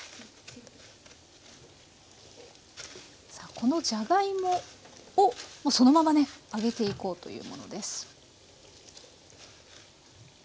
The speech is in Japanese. このじゃがいもをもうそのままね揚げていこうというものです。